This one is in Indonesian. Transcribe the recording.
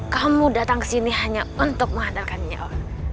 kamu datang ke sini hanya untuk mengandalkan nyawa